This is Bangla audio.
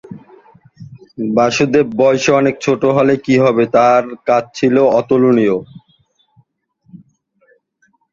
বাসুদেব বয়সে অনেক ছোট হলে কি হবে, তার কাজ ছিল অতুলনীয়।